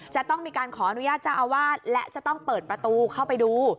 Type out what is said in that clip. จะต้องมีการขออนุญาตเจ้าอาวาสและจะต้องเปิดประตูเข้าไปดู